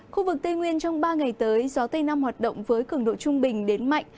khu vực tây nguyên trong ba ngày tới gió tây nam hoạt động với cường độ trung bình đến mạnh